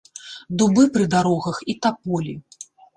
Дубы пры дарогах і таполі.